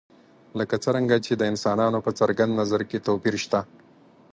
لکه څرنګه چې د انسانانو په څرګند نظر کې توپیر شته.